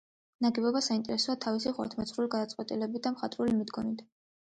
ნაგებობა საინტერესოა თავისი ხუროთმოძღვრული გადაწყვეტით და მხატვრული მიდგომით.